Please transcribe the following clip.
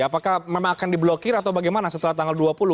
apakah memang akan diblokir atau bagaimana setelah tanggal dua puluh